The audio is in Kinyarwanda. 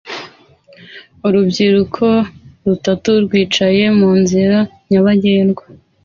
Urubyiruko rutatu rwicaye munzira nyabagendwa